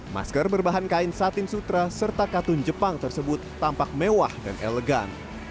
masker berbahan kain satin sutra serta katun jepang tersebut tampak mewah dan elegan